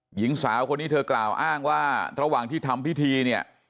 หญิงสาวคนนี้เธอกล่าวอ้างว่าระหว่างที่ทำพิธีเนี่ย